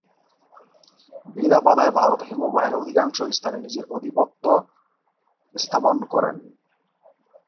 বিনা বাধায় ভারত হিমবাহের অধিকাংশ স্থানে নিজের আধিপত্য স্থাপন করে।